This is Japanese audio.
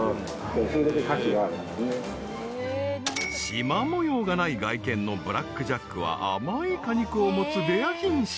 ［しま模様がない外見のブラックジャックは甘い果肉を持つレア品種］